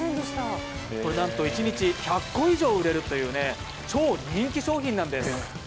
これなんと一日１００個以上売れるという超人気商品なんです。